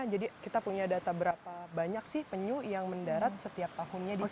jadi kita punya data berapa banyak sih penyu yang mendarat setiap tahunnya di sini